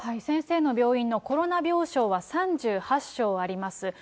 先生の病院のコロナ病床は３８床あります。